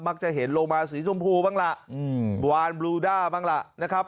มักจะเห็นลงมาสีสีชมพูบ้างละวานบลูดาบ้างละนะครับ